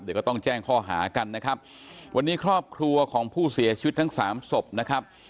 เดี๋ยวก็ต้องแจ้งข้อหากันนะครับวันนี้ครอบครัวของผู้เสียชีวิตทั้งสามศพนะครับ